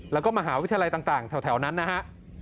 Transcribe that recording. แล้วก็มหาวิทยาลัยต่างแถวนั้นนะฮะ